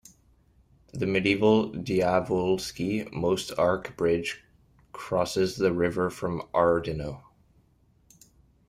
The medieval Dyavolski most arch bridge crosses the river from Ardino.